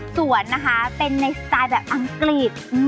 สวนเป็นในสไตล์อังกฤษ